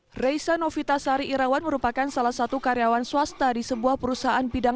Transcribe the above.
hai reza novita sari irawan merupakan salah satu karyawan swasta di sebuah perusahaan bidang